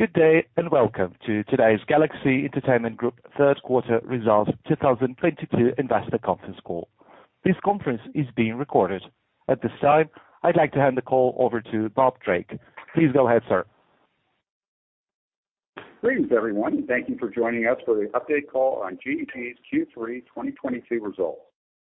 Good day, and welcome to today's Galaxy Entertainment Group Third Quarter Results 2022 Investor Conference Call. This conference is being recorded. At this time, I'd like to hand the call over to Bob Drake. Please go ahead, sir. Greetings, everyone, and thank you for joining us for the update call on GEG's Q3 2022 Results.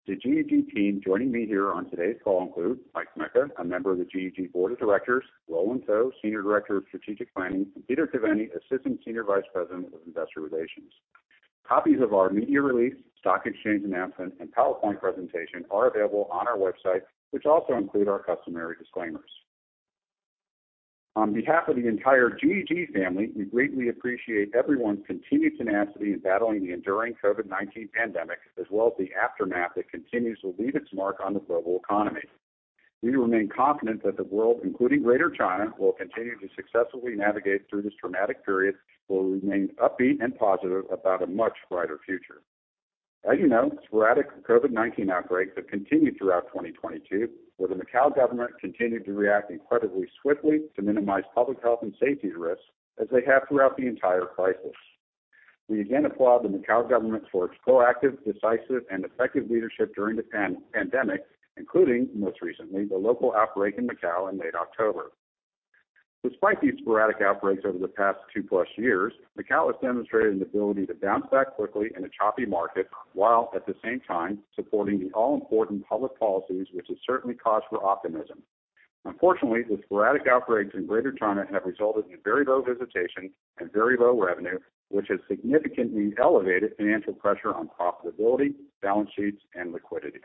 The GEG team joining me here on today's call include Mike Mecca, a member of the GEG Board of Directors, Roland To, Senior Director of Strategic Planning, and Peter Caveny, Assistant Senior Vice President of Investor Relations. Copies of our media release, stock exchange announcement, and PowerPoint presentation are available on our website, which also include our customary disclaimers. On behalf of the entire GEG family, we greatly appreciate everyone's continued tenacity in battling the enduring COVID-19 pandemic, as well as the aftermath that continues to leave its mark on the global economy. We remain confident that the world, including Greater China, will continue to successfully navigate through this traumatic period, where we remain upbeat and positive about a much brighter future. As you know, sporadic COVID-19 outbreaks have continued throughout 2022, where the Macau government continued to react incredibly swiftly to minimize public health and safety risks as they have throughout the entire crisis. We again applaud the Macau government for its proactive, decisive, and effective leadership during the pandemic, including, most recently, the local outbreak in Macau in late October. Despite these sporadic outbreaks over the past 2+ years, Macau has demonstrated an ability to bounce back quickly in a choppy market while at the same time supporting the all-important public policies, which is certainly cause for optimism. Unfortunately, the sporadic outbreaks in Greater China have resulted in very low visitation and very low revenue, which has significantly elevated financial pressure on profitability, balance sheets, and liquidity.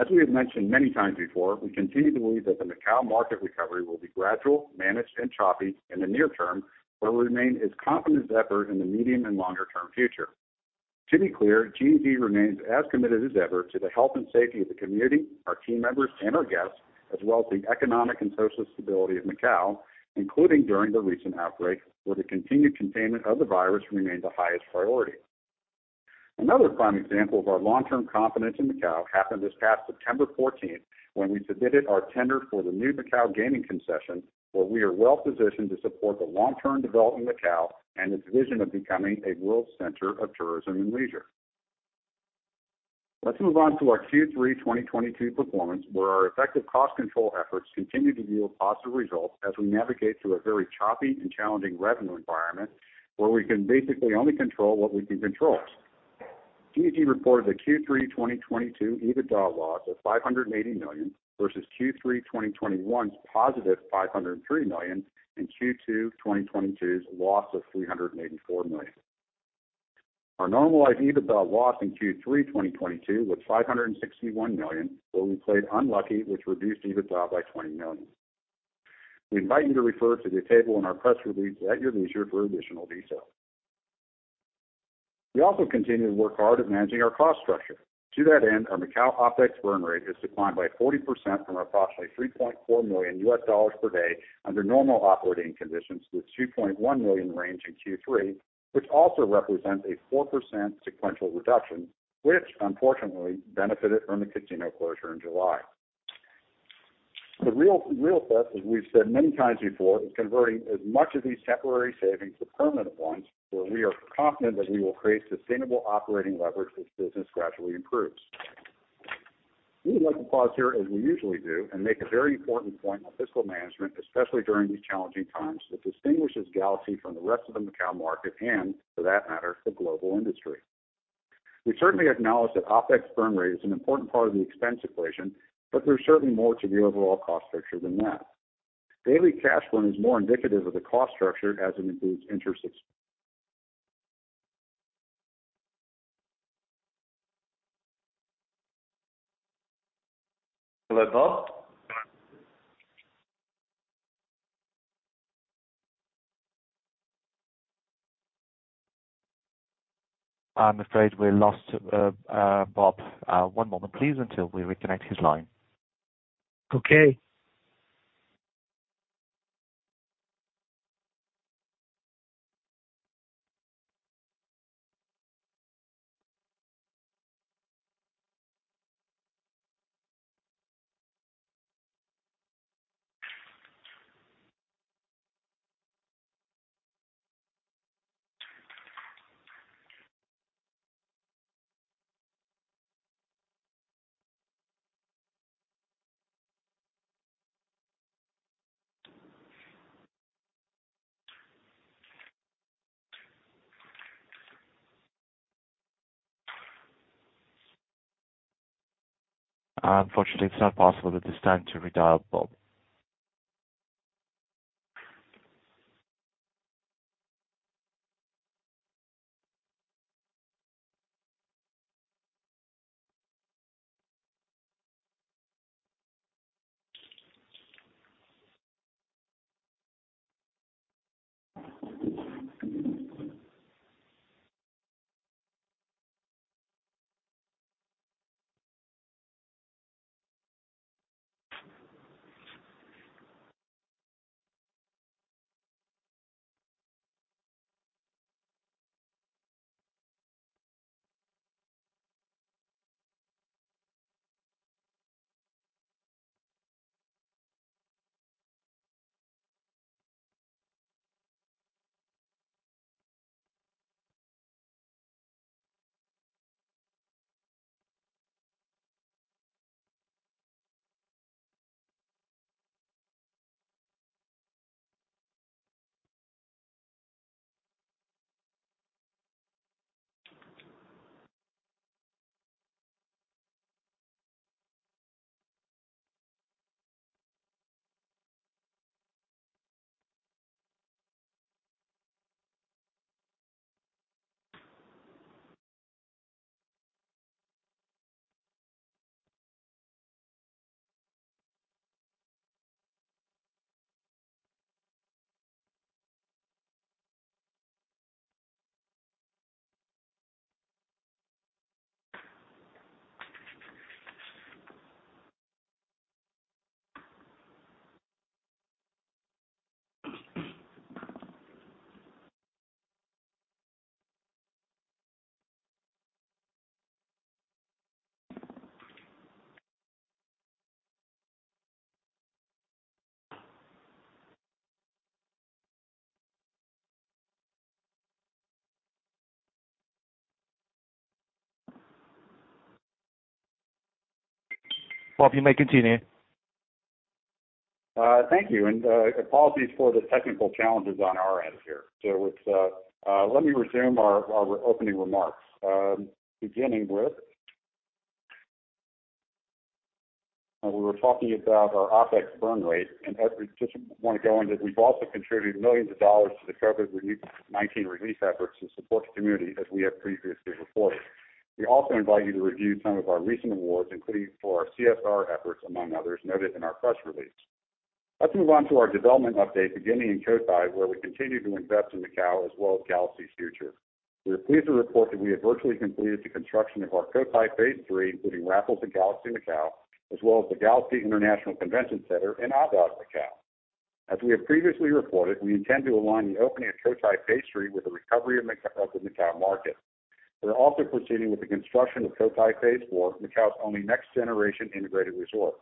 As we have mentioned many times before, we continue to believe that the Macau market recovery will be gradual, managed, and choppy in the near term, where we remain as confident as ever in the medium and longer term future. To be clear, GEG remains as committed as ever to the health and safety of the community, our team members, and our guests, as well as the economic and social stability of Macau, including during the recent outbreak, where the continued containment of the virus remained the highest priority. Another prime example of our long-term confidence in Macau happened this past September 14th when we submitted our tender for the new Macau gaming concession, where we are well-positioned to support the long-term development of Macau and its vision of becoming a world center of tourism and leisure. Let's move on to our Q3 2022 performance, where our effective cost control efforts continue to yield positive results as we navigate through a very choppy and challenging revenue environment where we can basically only control what we can control. GEG reported a Q3 2022 EBITDA loss of 580 million versus Q3 2021's positive 503 million and Q2 2022's loss of 384 million. Our normalized EBITDA loss in Q3 2022 was 561 million, where we played unlucky, which reduced EBITDA by 20 million. We invite you to refer to the table in our press release at your leisure for additional details. We also continue to work hard at managing our cost structure. To that end, our Macau OpEx burn rate has declined by 40% from approximately $3.4 million per day under normal operating conditions with $2.1 million range in Q3, which also represents a 4% sequential reduction, which unfortunately benefited from the casino closure in July. The real test, as we've said many times before, is converting as much of these temporary savings to permanent ones, where we are confident that we will create sustainable operating leverage as business gradually improves. We would like to pause here, as we usually do, and make a very important point on fiscal management, especially during these challenging times, that distinguishes Galaxy from the rest of the Macau market and, for that matter, the global industry. We certainly acknowledge that OpEx burn rate is an important part of the expense equation, but there's certainly more to the overall cost structure than that. Daily cash burn is more indicative of the cost structure as it includes interest expense. Hello, Bob? I'm afraid we lost Bob. One moment please until we reconnect his line. Okay. Unfortunately, it's not possible at this time to redial Bob. Bob, you may continue. Thank you. Apologies for the technical challenges on our end here. Let me resume our opening remarks. We were talking about our OpEx burn rate, and I just want to go on that we've also contributed millions dollars to the COVID-19 relief efforts to support the community as we have previously reported. We also invite you to review some of our recent awards, including for our CSR efforts, among others, noted in our press release. Let's move on to our development update, beginning in Cotai, where we continue to invest in Macau as well as Galaxy's future. We are pleased to report that we have virtually completed the construction of our Cotai Phase 3, including Raffles and Galaxy Macau, as well as the Galaxy International Convention Center and Andaz Macau. As we have previously reported, we intend to align the opening of Cotai Phase 3 with the recovery of the Macau market. We're also proceeding with the construction of Cotai Phase 4, Macau's only next generation integrated resort,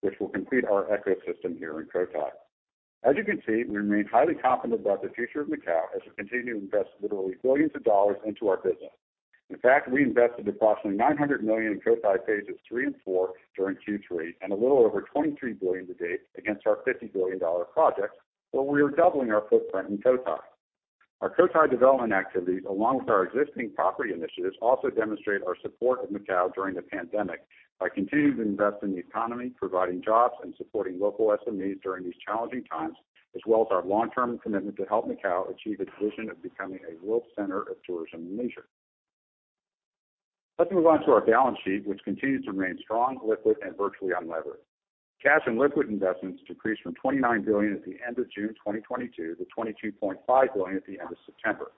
which will complete our ecosystem here in Cotai. As you can see, we remain highly confident about the future of Macau as we continue to invest literally billions of dollars into our business. In fact, we invested approximately $900 million in Cotai Phases 3 and 4 during Q3 and a little over $23 billion to date against our $50 billion project, where we are doubling our footprint in Cotai. Our Cotai development activities, along with our existing property initiatives, also demonstrate our support of Macau during the pandemic by continuing to invest in the economy, providing jobs and supporting local SMEs during these challenging times, as well as our long-term commitment to help Macau achieve its vision of becoming a world center of tourism and leisure. Let's move on to our balance sheet, which continues to remain strong, liquid and virtually unlevered. Cash and liquid investments decreased from 29 billion at the end of June 2022 to 22.5 billion at the end of September.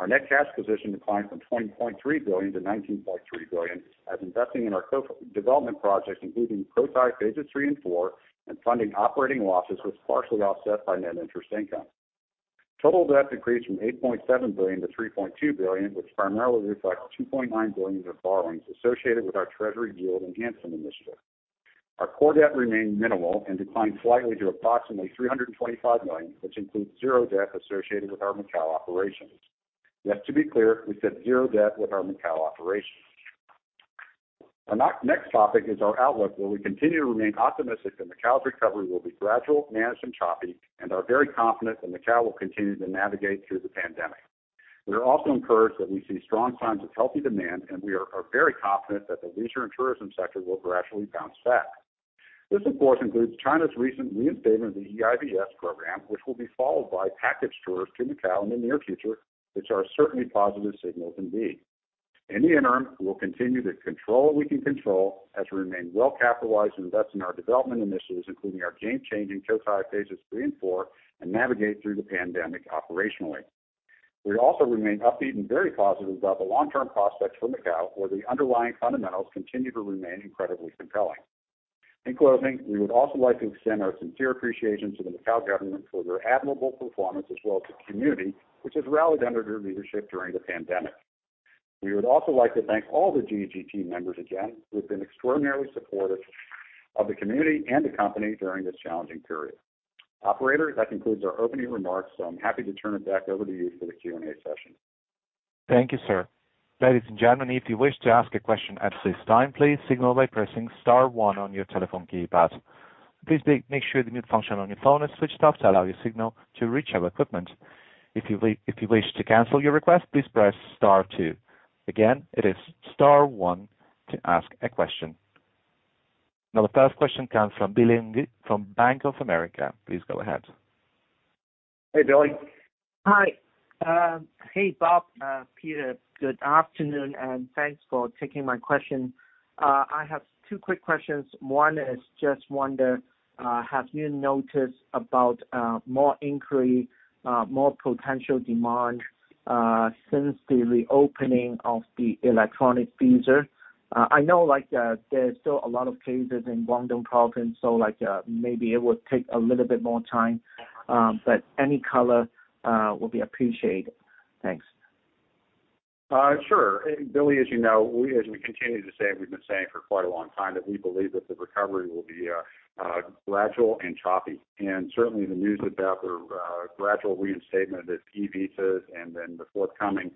Our net cash position declined from 20.3 billion-19.3 billion as investing in our co-development projects, including Cotai Phases 3 and 4, and funding operating losses was partially offset by net interest income. Total debt decreased from 8.7 billion-3.2 billion, which primarily reflects 2.9 billion of borrowings associated with our treasury yield enhancement initiative. Our core debt remained minimal and declined slightly to approximately 325 million, which includes zero debt associated with our Macau operations. Yes, to be clear, we said zero debt with our Macau operations. Our next topic is our outlook, where we continue to remain optimistic that Macau's recovery will be gradual, managed and choppy, and are very confident that Macau will continue to navigate through the pandemic. We are also encouraged that we see strong signs of healthy demand, and we are very confident that the leisure and tourism sector will gradually bounce back. This, of course, includes China's recent reinstatement of the eIVS program, which will be followed by package tours to Macau in the near future, which are certainly positive signals indeed. In the interim, we'll continue to control what we can control as we remain well capitalized to invest in our development initiatives, including our game changing Cotai Phases 3 and 4, and navigate through the pandemic operationally. We also remain upbeat and very positive about the long-term prospects for Macau, where the underlying fundamentals continue to remain incredibly compelling. In closing, we would also like to extend our sincere appreciation to the Macau government for their admirable performance, as well as the community which has rallied under their leadership during the pandemic. We would also like to thank all the GEG team members again, who have been extraordinarily supportive of the community and the company during this challenging period. Operator, that concludes our opening remarks, so I'm happy to turn it back over to you for the Q&A session. Thank you, sir. Ladies and gentlemen, if you wish to ask a question at this time, please signal by pressing star one on your telephone keypad. Please make sure the mute function on your phone is switched off to allow your signal to reach our equipment. If you wish to cancel your request, please press star two. Again, it is star one to ask a question. Now the first question comes from Billy Ng from Bank of America. Please go ahead. Hey, Billy. Hi. Hey, Bob, Peter, good afternoon, and thanks for taking my question. I have two quick questions. One is, have you noticed about more inquiries, more potential demand since the reopening of the electronic [visa]? I know, like, there's still a lot of cases in Guangdong Province, so, like, maybe it would take a little bit more time. Any color will be appreciated. Thanks. Sure. Billy, as you know, we, as we continue to say, we've been saying for quite a long time that we believe that the recovery will be gradual and choppy. Certainly, the news about the gradual reinstatement of the [e-Visas] and then the forthcoming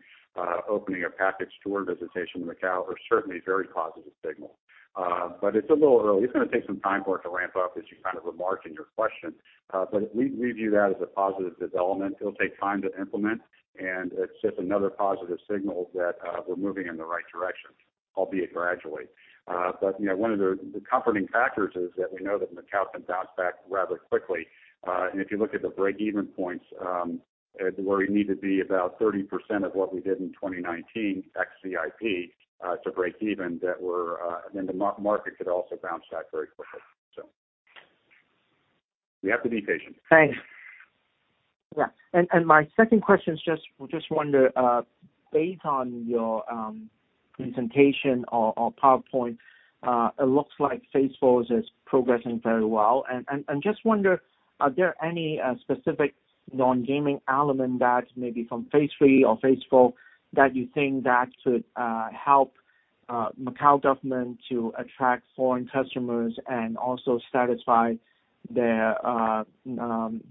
opening of package tour visitation in Macau are certainly very positive signals. It's a little early. It's gonna take some time for it to ramp up as you kind of remarked in your question. We view that as a positive development. It'll take time to implement, and it's just another positive signal that we're moving in the right direction, albeit gradually. You know, one of the comforting factors is that we know that Macau can bounce back rather quickly. If you look at the break-even points, where we need to be about 30% of what we did in 2019 ex-VIP, to break even, and then the market could also bounce back very quickly. We have to be patient. Thanks. Yeah. My second question is just wonder based on your presentation or PowerPoint, it looks like Phase 4 is progressing very well. Just wonder, are there any specific non-gaming element that maybe from Phase 3 or Phase 4 that you think that could help Macau government to attract foreign customers and also satisfy their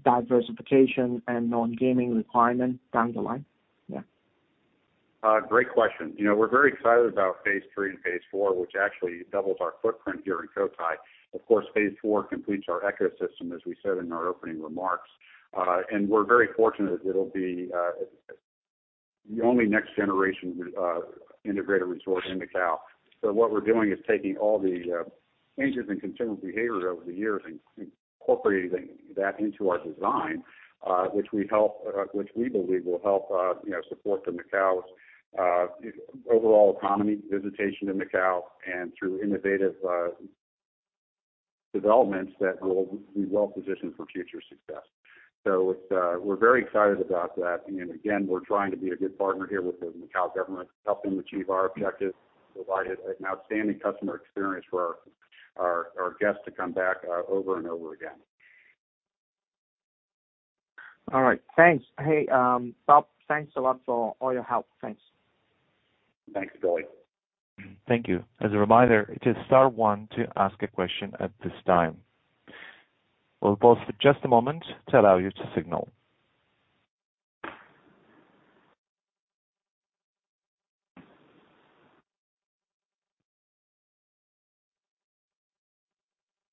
diversification and non-gaming requirements down the line? Yeah. Great question. You know, we're very excited about Phase 3 and Phase 4, which actually doubles our footprint here in Cotai. Of course, Phase 4 completes our ecosystem, as we said in our opening remarks. We're very fortunate it'll be the only next generation integrated resort in Macau. What we're doing is taking all the changes in consumer behavior over the years and incorporating that into our design, which we believe will help, you know, support Macau's overall economy, visitation to Macau, and through innovative developments that will be well-positioned for future success. It's. We're very excited about that. Again, we're trying to be a good partner here with the Macau government, help them achieve our objectives, provide an outstanding customer experience for our guests to come back over and over again. All right. Thanks. Hey, Bob, thanks a lot for all your help. Thanks. Thanks, Billy. Thank you. As a reminder, it is star one to ask a question at this time. We'll pause for just a moment to allow you to signal.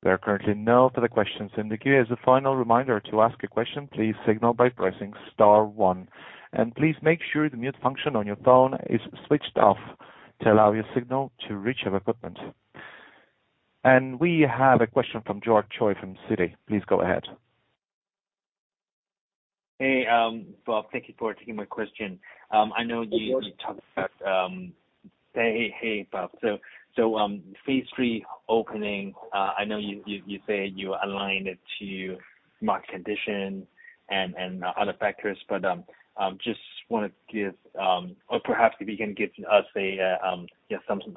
There are currently no further questions in the queue. As a final reminder to ask a question, please signal by pressing star one. Please make sure the mute function on your phone is switched off to allow your signal to reach our equipment. We have a question from George Choi from Citi. Please go ahead. Hey, Bob, thank you for taking my question. I know you Hey, George. You talked about. Hey, Bob. Phase 3 opening, I know you say you align it to market condition and other factors, but perhaps if you can give us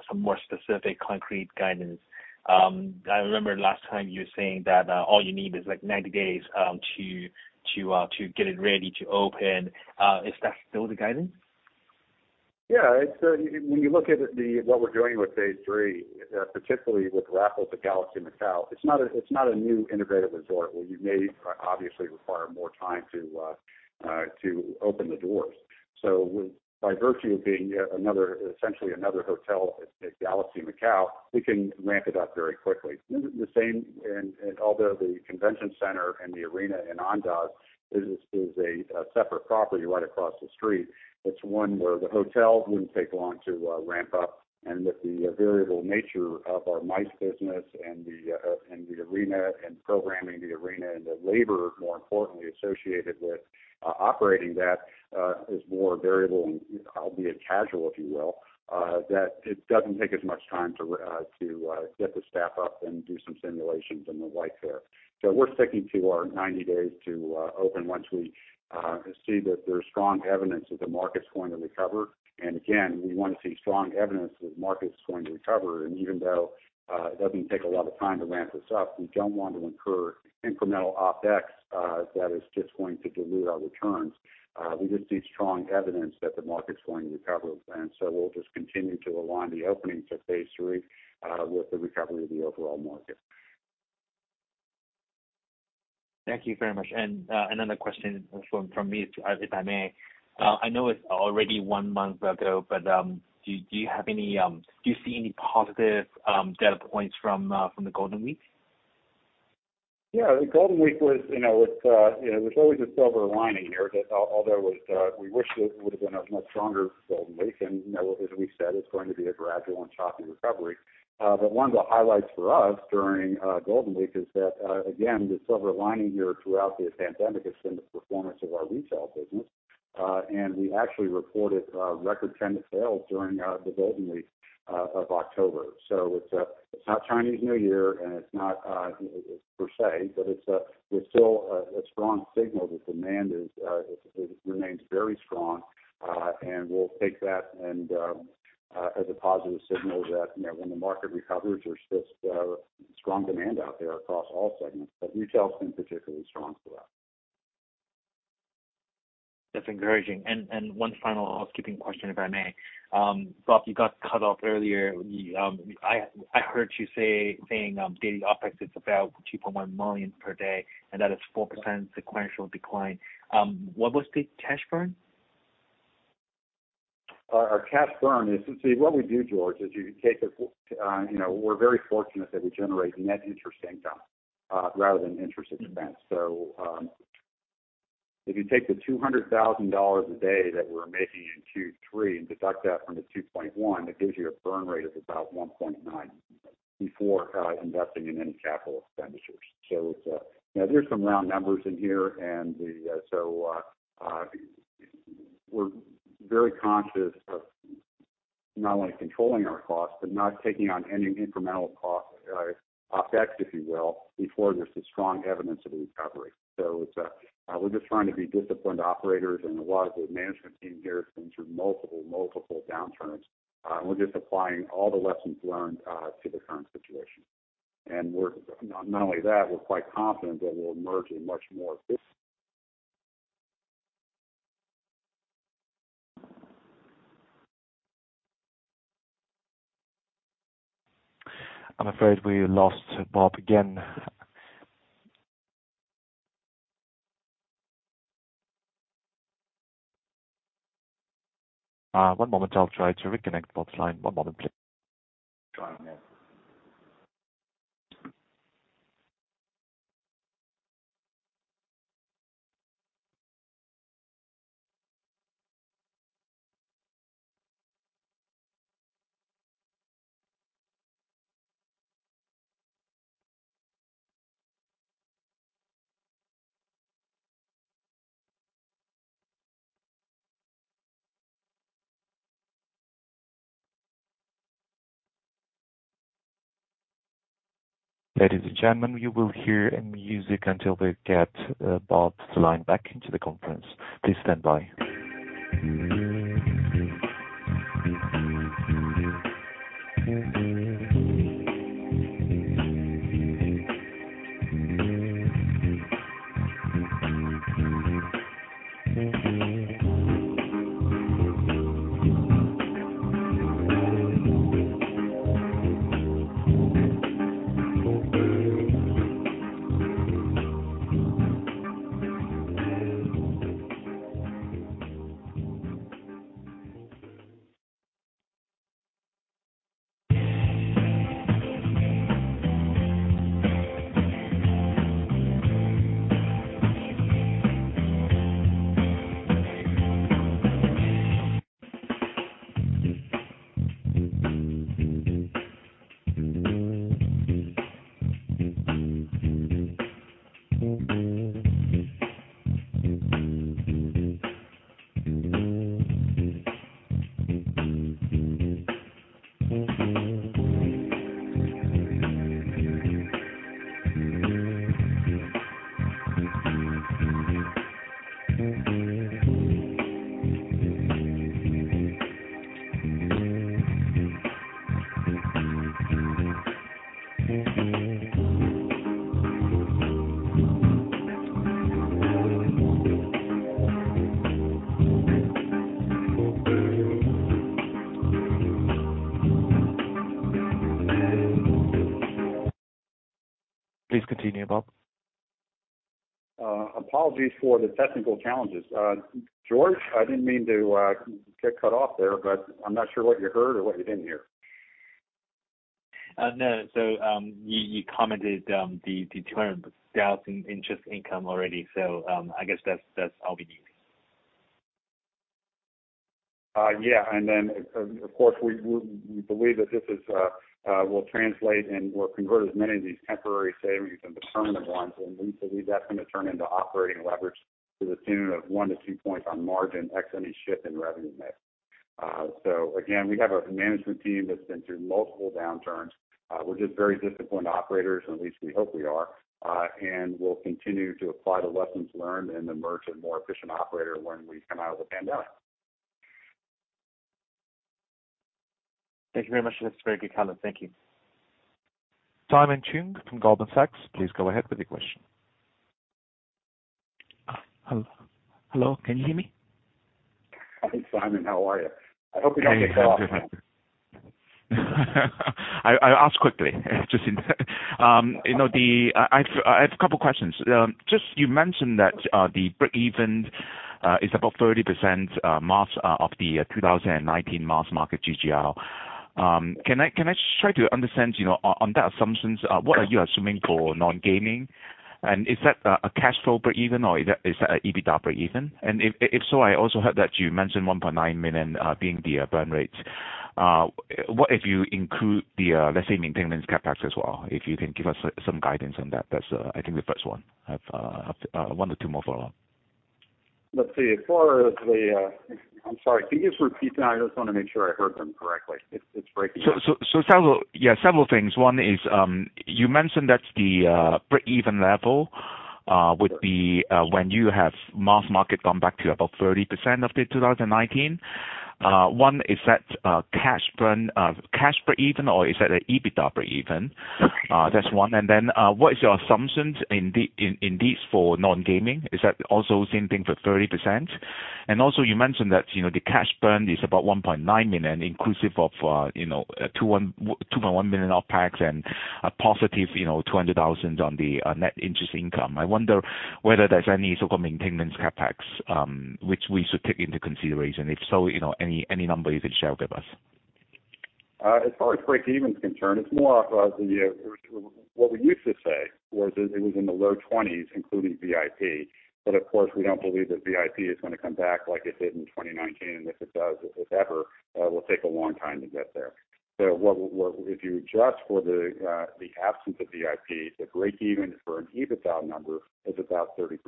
some more specific concrete guidance. I remember last time you were saying that, all you need is like 90 days to get it ready to open. Is that still the guidance? It's when you look at what we're doing with Phase 3, particularly with Raffles at Galaxy Macau, it's not a new integrated resort where you may obviously require more time to open the doors. By virtue of being another, essentially another hotel at Galaxy Macau, we can ramp it up very quickly. The same, although the convention center and the arena in Andaz is a separate property right across the street, it's one where the hotel wouldn't take long to ramp up. With the variable nature of our MICE business and the arena and programming the arena and the labor, more importantly, associated with operating that, is more variable and albeit casual, if you will. That it doesn't take as much time to get the staff up and do some simulations and the like there. We're sticking to our 90 days to open once we see that there's strong evidence that the market's going to recover. Again, we wanna see strong evidence that the market is going to recover. Even though it doesn't take a lot of time to ramp this up, we don't want to incur incremental OpEx that is just going to dilute our returns. We just see strong evidence that the market's going to recover. We'll just continue to align the opening to Phase 3 with the recovery of the overall market. Thank you very much. Another question from me if I may. I know it's already one month ago, but do you see any positive data points from the Golden Week? Yeah. The Golden Week was, you know, you know, there's always a silver lining here that although it, we wish it would have been a much stronger Golden Week, and, you know, as we said, it's going to be a gradual and choppy recovery. One of the highlights for us during Golden Week is that, again, the silver lining here throughout this pandemic has been the performance of our retail business. We actually reported record tenant sales during the Golden Week of October. It's not Chinese New Year, and it's not per se, but it's still a strong signal that demand is, it remains very strong. We'll take that as a positive signal that, you know, when the market recovers, there's just strong demand out there across all segments, but retail has been particularly strong for us. That's encouraging. One final housekeeping question, if I may. Bob, you got cut off earlier. I heard you saying daily OpEx, it's about 2.1 million per day, and that is 4% sequential decline. What was the cash burn? Our cash burn is what we do, George, is you take we're very fortunate that we generate net interest income rather than interest expense. If you take the $200,000 a day that we're making in Q3 and deduct that from the $2.1, it gives you a burn rate of about $1.9 before investing in any capital expenditures. We're very conscious of not only controlling our costs, but not taking on any incremental cost, OpEx, if you will, before there's a strong evidence of a recovery. We're just trying to be disciplined operators and a lot of the management team here has been through multiple downturns. We're just applying all the lessons learned to the current situation. Not only that, we're quite confident that we'll emerge a much more effi- I'm afraid we lost Bob again. One moment. I'll try to reconnect Bob's line. One moment, please. Trying now. Ladies and gentlemen, you will hear music until we get Bob's line back into the conference. Please stand by. Please continue, Bob. Apologies for the technical challenges. George, I didn't mean to get cut off there, but I'm not sure what you heard or what you didn't hear. No. You commented the 200,000 interest income already. I guess that's all we need. Yeah. Of course, we believe that this will translate and will convert as many of these temporary savings into permanent ones. We believe that's gonna turn into operating leverage to the tune of 1%-2% on margin, ex any shift in revenue mix. Again, we have a management team that's been through multiple downturns. We're just very disciplined operators, at least we hope we are. We'll continue to apply the lessons learned and emerge a more efficient operator when we come out of the pandemic. Thank you very much. That's a very good comment. Thank you. Simon Cheung from Goldman Sachs, please go ahead with your question. Hello? Can you hear me? Hi, Simon. How are you? I hope you don't get cut off. I'll ask quickly. You know, I have a couple questions. Just you mentioned that, the breakeven is about 30% of the 2019 mass market GGR. Can I try to understand, you know, on that assumptions, what are you assuming for non-gaming? Is that a cash flow breakeven or is that a EBITDA breakeven? If so, I also heard that you mentioned 1.9 million being the burn rates. What if you include the, let's say, maintenance CapEx as well? If you can give us some guidance on that's I think the first one. I've one or two more follow up. Let's see. I'm sorry, can you just repeat that? I just wanna make sure I heard them correctly. It's breaking up. Several things. One is you mentioned that the breakeven level would be when you have mass market come back to about 30% of the 2019. One is that cash burn cash breakeven, or is that an EBITDA breakeven? That's one. What is your assumptions in this for non-gaming? Is that also same thing for 30%? You mentioned that, you know, the cash burn is about 1.9 million inclusive of, you know, 2.1 million OpEx and a positive, you know, 200,000 on the net interest income. I wonder whether there's any so-called maintenance CapEx which we should take into consideration. If so, you know, any number you can share with us. As far as breakeven is concerned, it's more of what we used to say was. It was in the low 20s, including VIP. Of course, we don't believe that VIP is gonna come back like it did in 2019. If it does, if ever, will take a long time to get there. If you adjust for the absence of VIP, the breakeven for an EBITDA number is about 30%.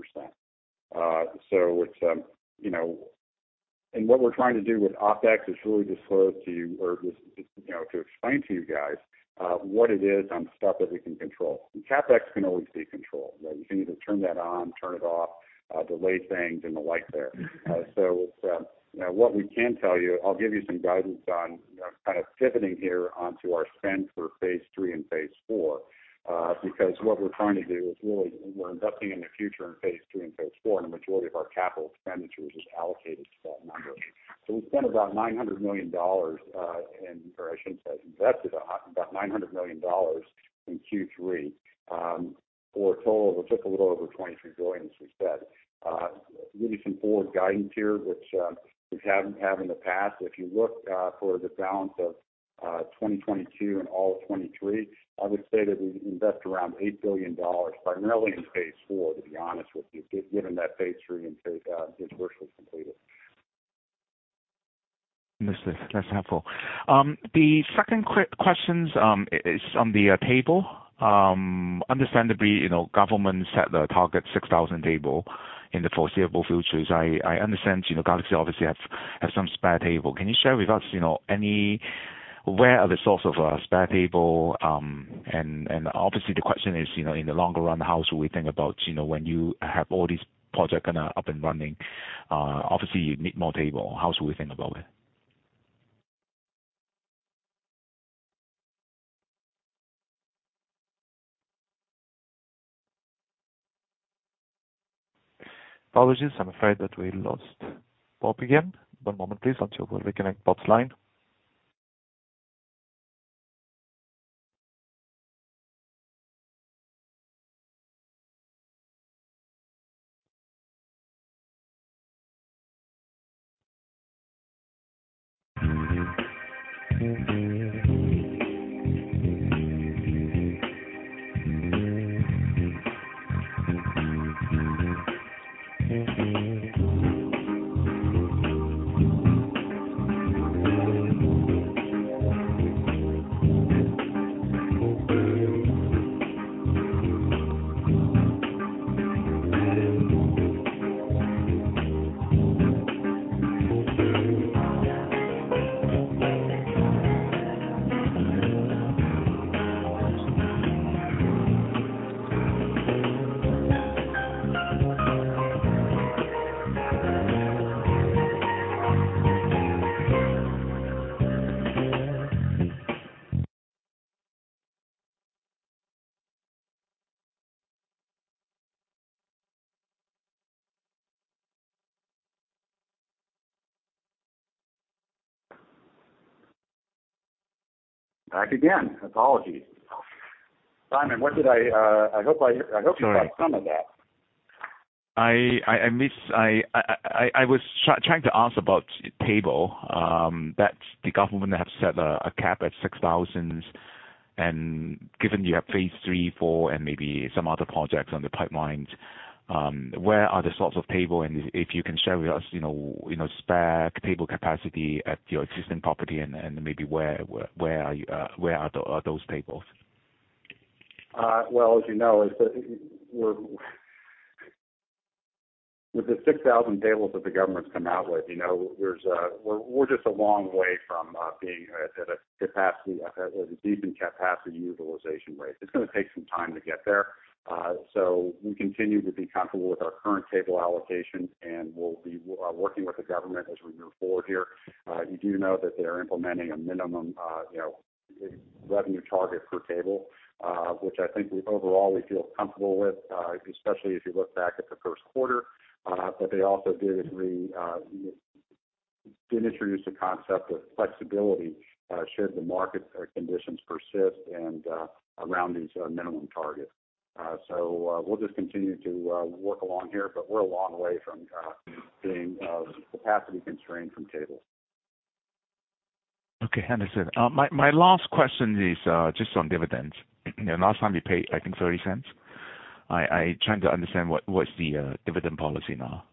It's, you know. What we're trying to do with OpEx is really disclose to you or just, you know, to explain to you guys what it is on stuff that we can control. CapEx can always be controlled, right? You can either turn that on, turn it off, delay things and the like there. Now what we can tell you, I'll give you some guidance on, you know, kind of pivoting here onto our spend for Phase 3 and Phase 4. Because what we're trying to do is really we're investing in the future in Phase 2 and Phase 4, and the majority of our capital expenditures is allocated to that number. We spent about 900 million dollars, or I should say, invested about 900 million dollars in Q3, for a total, we took a little over 23 billion, as we said. Give you some forward guidance here, which we haven't had in the past. If you look for the balance of 2022 and all of 2023, I would say that we invest around 8 billion dollars primarily in Phase 4, to be honest with you, given that Phase 3 and phase is virtually completed. That's helpful. The second question is on the table. Understandably, you know, government set the target 6,000 tables in the foreseeable future. I understand, you know, Galaxy obviously have some spare tables. Can you share with us, you know, where are the sources of spare tables? Obviously the question is, you know, in the longer run, how should we think about, you know, when you have all these projects kinda up and running, obviously you need more tables. How should we think about it? Apologies, I'm afraid that we lost Bob again. One moment please, until we reconnect Bob's line. Back again. Apologies. Simon, I hope I- Sorry. I hope you got some of that. I missed. I was trying to ask about tables that the government have set a cap at 6,000. Given you have Phase 3/4 and maybe some other projects on the pipeline, where are the sorts of tables? If you can share with us, you know, spare table capacity at your existing property and maybe where are those tables? Well, as you know, with the 6,000 tables that the government's come out with, you know, we're just a long way from being at a capacity or a decent capacity utilization rate. It's gonna take some time to get there. We continue to be comfortable with our current table allocation, and we'll be working with the government as we move forward here. You do know that they're implementing a minimum revenue target per table, which I think overall we feel comfortable with, especially if you look back at the first quarter. They also did introduce the concept of flexibility should the market conditions persist and around these minimum targets. We'll just continue to work along here, but we're a long way from being capacity constrained from tables. Okay, understood. My last question is just on dividends. You know, last time you paid, I think 0.30. I'm trying to understand what's the dividend policy now.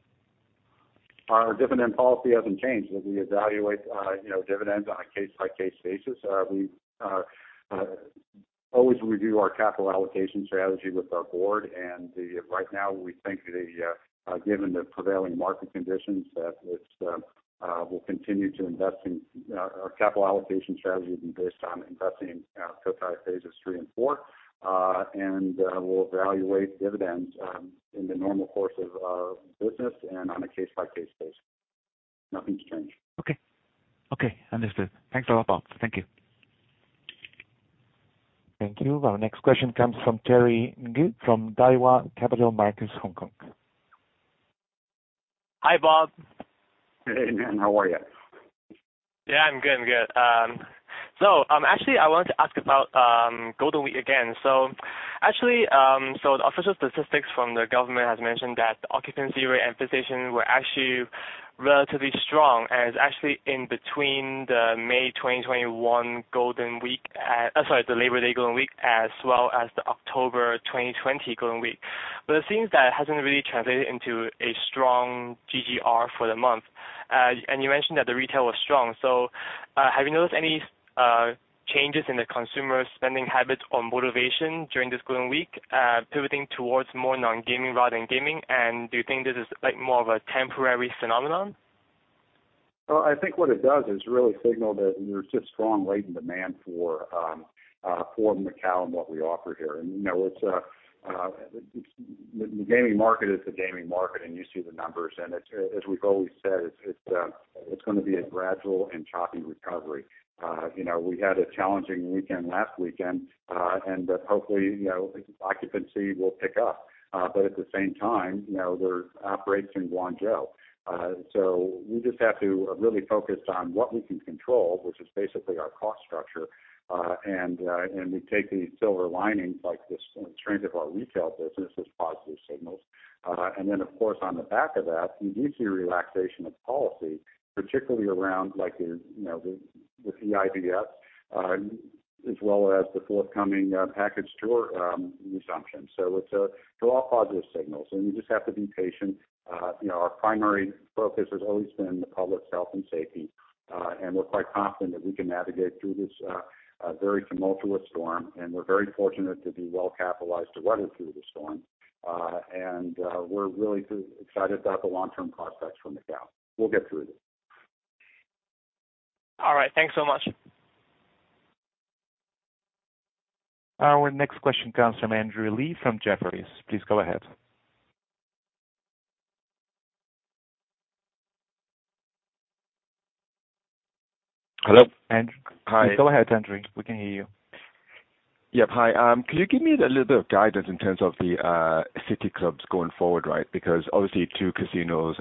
Our dividend policy hasn't changed. We evaluate, you know, dividends on a case-by-case basis. We always review our capital allocation strategy with our board. Right now we think that, given the prevailing market conditions that it's we'll continue to invest in our capital allocation strategy will be based on investing in Cotai Phase 3 and 4. We'll evaluate dividends in the normal course of business and on a case-by-case basis. Nothing's changed. Okay. Okay, understood. Thanks a lot, Bob. Thank you. Thank you. Our next question comes from Terry Ng from Daiwa Capital Markets, Hong Kong. Hi, Bob. Hey, how are you? Yeah, I'm good, I'm good. Actually I wanted to ask about Golden Week again. Actually the official statistics from the government has mentioned that the occupancy rate and visitation were actually relatively strong, and it's actually in between the May 2021 Golden Week, the Labor Day Golden Week, as well as the October 2020 Golden Week. It seems that it hasn't really translated into a strong GGR for the month. You mentioned that the retail was strong. Have you noticed any changes in the consumer spending habits or motivation during this Golden Week, pivoting towards more non-gaming rather than gaming? Do you think this is like more of a temporary phenomenon? Well, I think what it does is really signal that there's just strong latent demand for Macau and what we offer here. You know, it's the gaming market is the gaming market, and you see the numbers. It's as we've always said, it's gonna be a gradual and choppy recovery. You know, we had a challenging weekend last weekend, but hopefully, you know, occupancy will pick up. But at the same time, you know, there are outbreaks in Guangzhou. We just have to really focus on what we can control, which is basically our cost structure. We take these silver linings, like the strength of our retail business as positive signals. Of course, on the back of that, you do see relaxation of policy, particularly around, like, you know, the eIVS, as well as the forthcoming package tour resumption. It's, they're all positive signals, and you just have to be patient. You know, our primary focus has always been the public health and safety, and we're quite confident that we can navigate through this very tumultuous storm, and we're very fortunate to be well capitalized to weather through the storm. We're really excited about the long-term prospects for Macau. We'll get through this. All right. Thanks so much. Our next question comes from Andrew Lee from Jefferies. Please go ahead. Hello? Andrew. Hi. Please go ahead, Andrew. We can hear you. Yep. Hi. Can you give me a little bit of guidance in terms of the City Club going forward, right? Because obviously, two casinos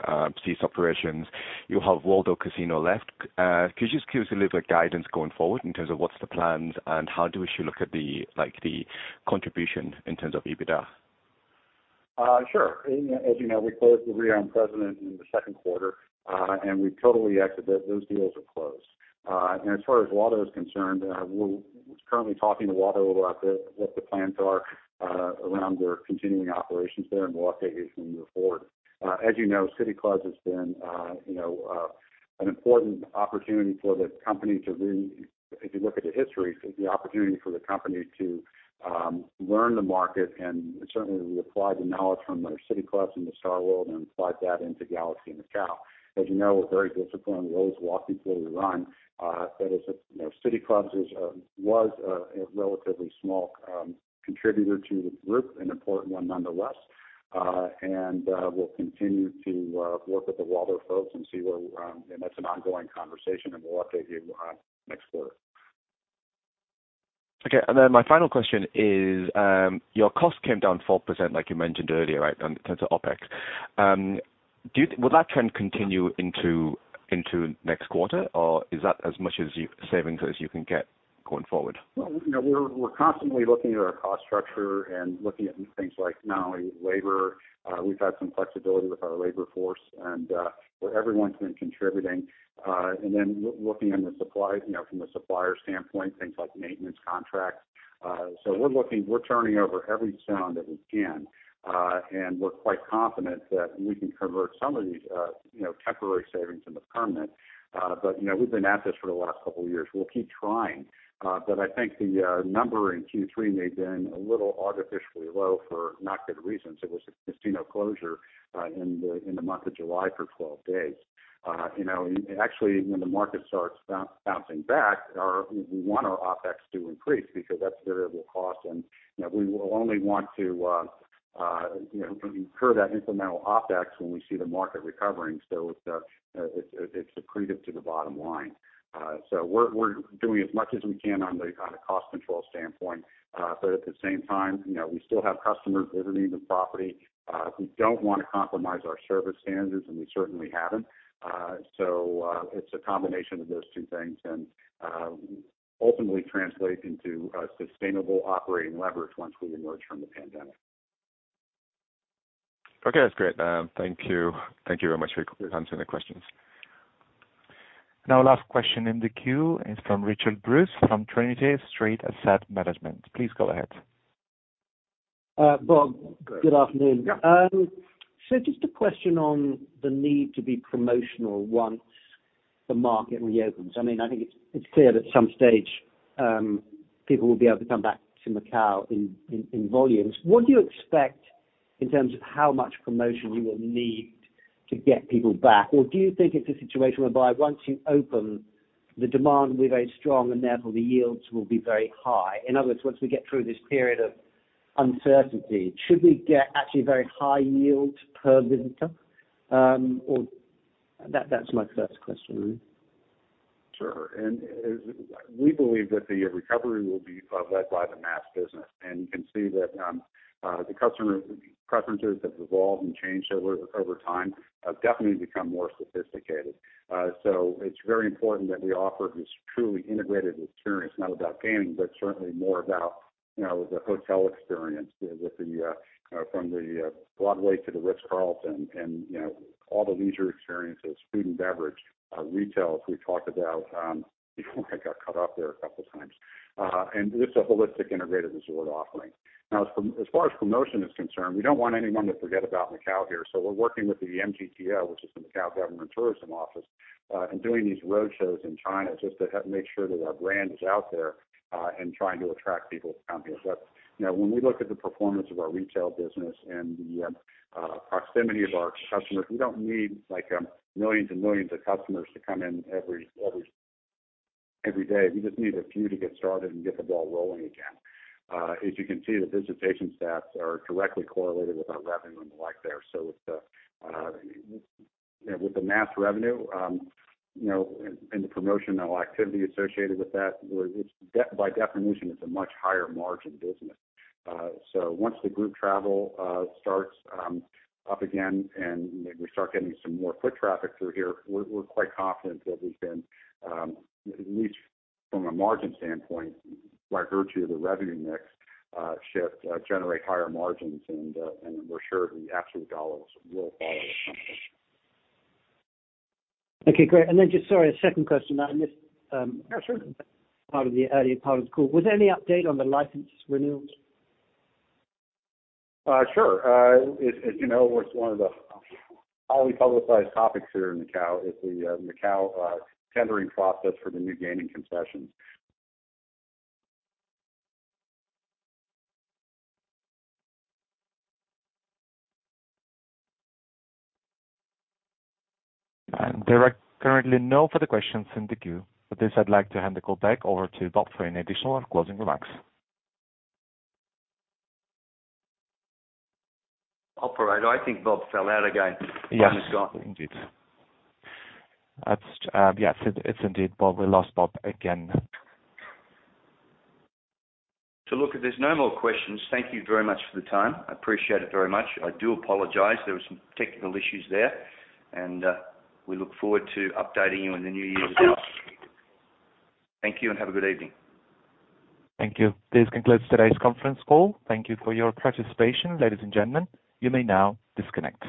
ceased operations. You have Waldo Casino left. Could you just give us a little bit of guidance going forward in terms of what's the plans and how should we look at the, like, the contribution in terms of EBITDA? Sure. As you know, we closed the President Casino in the second quarter, and we totally exited it. Those deals are closed. As far as Waldo is concerned, we're currently talking to Waldo about what the plans are around their continuing operations there, and we'll update you as we move forward. As you know, City Club has been, you know, an important opportunity for the company. If you look at the history, the opportunity for the company to learn the market and certainly we apply the knowledge from our City Club into StarWorld and apply that into Galaxy Macau. As you know, we're very disciplined. We always walk before we run, but it's a, you know, City Club was a relatively small contributor to the group, an important one nonetheless. We'll continue to work with the Waldo folks and see where we. That's an ongoing conversation, and we'll update you on next quarter. Okay. My final question is, your cost came down 4%, like you mentioned earlier, right? In terms of OpEx. Will that trend continue into next quarter, or is that as much savings as you can get going forward? Well, you know, we're constantly looking at our cost structure and looking at things like not only labor. We've had some flexibility with our labor force, and everyone's been contributing. Looking into the suppliers, you know, from a supplier standpoint, things like maintenance contracts. We're turning over every stone that we can, and we're quite confident that we can convert some of these temporary savings into permanent. You know, we've been at this for the last couple of years. We'll keep trying, but I think the number in Q3 may have been a little artificially low for not good reasons. It was a casino closure in the month of July for 12 days. You know, actually, when the market starts bouncing back, we want our OpEx to increase because that's variable cost and, you know, we will only want to incur that incremental OpEx when we see the market recovering. It's accretive to the bottom line. We're doing as much as we can on a cost control standpoint, but at the same time, you know, we still have customers visiting the property. We don't wanna compromise our service standards, and we certainly haven't. It's a combination of those two things and ultimately translates into a sustainable operating leverage once we emerge from the pandemic. Okay, that's great. Thank you. Thank you very much for answering the questions. Now last question in the queue is from Richard Bruce from Trinity Street Asset Management. Please go ahead. Bob, good afternoon. Yeah. Just a question on the need to be promotional once the market reopens. I mean, I think it's clear that at some stage, people will be able to come back to Macau in volumes. What do you expect in terms of how much promotion you will need to get people back? Or do you think it's a situation whereby once you open, the demand will be very strong and therefore the yields will be very high? In other words, once we get through this period of uncertainty, should we get actually very high yields per visitor? That's my first question. Sure. We believe that the recovery will be led by the mass business. You can see that the customer preferences have evolved and changed over time, have definitely become more sophisticated. It's very important that we offer this truly integrated experience, not about gaming, but certainly more about, you know, the hotel experience from the Broadway to the Ritz-Carlton and, you know, all the leisure experiences, food and beverage, retail, as we talked about before I got cut off there a couple times. Just a holistic integrated resort offering. Now as far as promotion is concerned, we don't want anyone to forget about Macau here, so we're working with the MGTO, which is the Macau Government Tourism Office, and doing these roadshows in China just to make sure that our brand is out there, and trying to attract people to come here. You know, when we look at the performance of our retail business and the proximity of our customers, we don't need, like, millions and millions of customers to come in every day. We just need a few to get started and get the ball rolling again. As you can see, the visitation stats are directly correlated with our revenue and the like there. With the mass revenue and the promotional activity associated with that, where it's by definition a much higher margin business. Once the group travel starts up again and we start getting some more foot traffic through here, we're quite confident that we can at least from a margin standpoint, by virtue of the revenue mix shift, generate higher margins, and we're sure the absolute dollars will follow at some point. Okay, great. Just sorry, a second question. I missed. Yeah, sure. A part of the earlier part of the call. Was there any update on the license renewals? Sure. As you know, it's one of the highly publicized topics here in Macau is the Macau tendering process for the new gaming concessions. There are currently no further questions in the queue. With this, I'd like to hand the call back over to Bob for any additional closing remarks. Operator, I think Bob fell out again. Yes. The line is gone. Indeed. That's yes. It's indeed Bob. We lost Bob again. Look, if there's no more questions. Thank you very much for the time. I appreciate it very much. I do apologize there were some technical issues there, and we look forward to updating you in the new year as well. Thank you and have a good evening. Thank you. This concludes today's conference call. Thank you for your participation. Ladies and gentlemen, you may now disconnect.